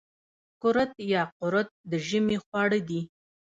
کورت یا قروت د ژمي خواړه دي.